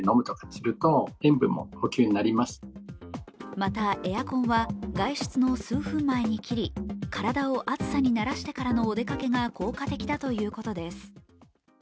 またエアコンは外出の数分前に切り、体を暑さにならしてからのお出かけが効果的だということです。